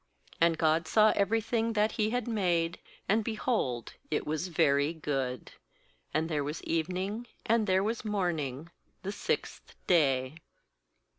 31And God saw every thing that He had made, and, behold^ it was very good. And there was evening and there was morning, the sixth day.